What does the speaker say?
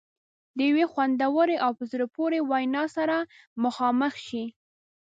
د یوې خوندورې او په زړه پورې وینا سره مخامخ شي.